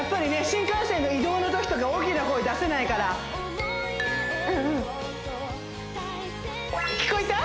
新幹線の移動のときとか大きな声出せないから聞こえた？